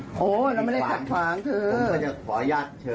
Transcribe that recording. ผมก็จะขออนุญาตเชิญนะครับออกข้างนอกท่านเชิญ